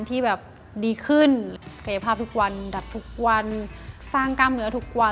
ที่แบบดีขึ้นกายภาพทุกวันดับทุกวันสร้างกล้ามเนื้อทุกวัน